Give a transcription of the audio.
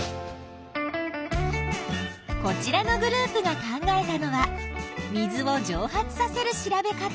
こちらのグループが考えたのは水をじょう発させる調べ方。